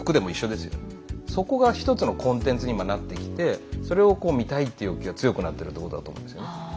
そこが一つのコンテンツに今なってきてそれを見たいって欲求が強くなってるってことだと思うんですよね。